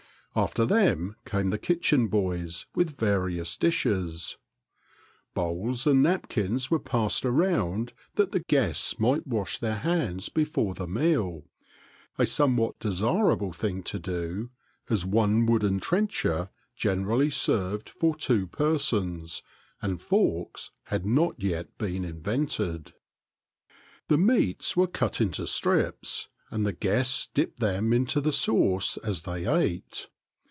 After them came the kitchen boys with the various dishes. Bowls and napkins were passed around that the guests might wash their hands before the meal, — a some what desirable thing to do, as one wooden trencher generally served for two persons, and forks had not yet been invented. 12 (^t tift ta^ax^ ^nn The meats were cut into strips, and the guests dipped them into the sauce as they ate.